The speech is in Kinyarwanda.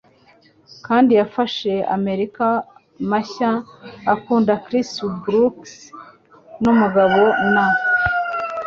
Kandi yafashe amerika mashya akunda chris brooks numugabo na.